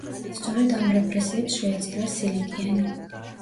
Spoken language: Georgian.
სწორედ ამ რეპრესიებს შეეწირა სილიკიანი.